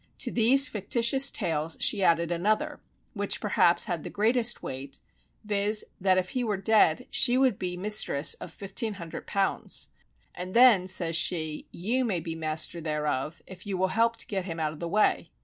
To these fictitious tales she added another, which perhaps had the greatest weight, viz., that if he were dead, she should be the mistress of fifteen hundred pounds. And then, says she, _you may be master thereof, if you will help to get him out of the way.